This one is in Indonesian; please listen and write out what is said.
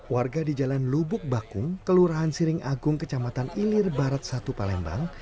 warga di jalan lubuk bakung kelurahan siring agung kecamatan ilir barat satu palembang